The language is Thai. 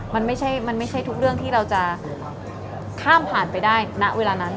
มันไม่ใช่มันไม่ใช่ทุกเรื่องที่เราจะข้ามผ่านไปได้ณเวลานั้น